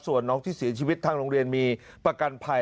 ส่วนน้องที่เสียชีวิตทางโรงเรียนมีประกันภัย